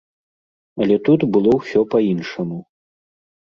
Але тут было ўсё па-іншаму.